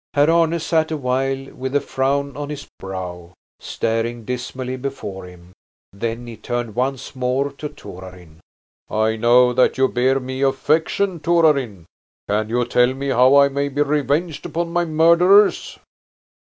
Herr Arne sat awhile with a frown on his brow, staring dismally before him. Then he turned once more to Torarin. "I know that you bear me affection, Torarin. Can you tell me how I may be revenged upon my murderers?"